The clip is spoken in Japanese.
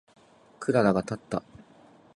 クララがたった。